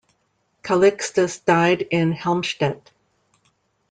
Calixtus died in Helmstedt.